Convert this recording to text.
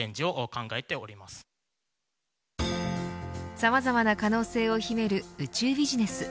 さまざまな可能性を秘める宇宙ビジネス。